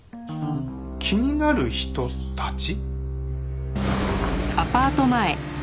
気になる人たち？